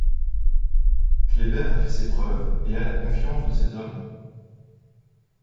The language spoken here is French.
Kléber a fait ses preuves et a la confiance de ses hommes.